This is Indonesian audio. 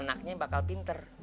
anaknya bakal pinter